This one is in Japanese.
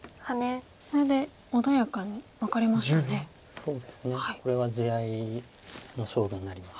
そうですねこれは地合いの勝負になります。